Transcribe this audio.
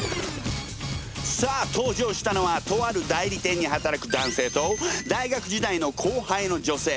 さあ登場したのはとある代理店に働く男性と大学時代の後輩の女性。